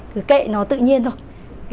cứ kệ nó tự nhiên thôi